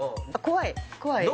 怖い？